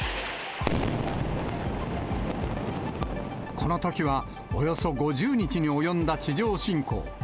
このときはおよそ５０日に及んだ地上侵攻。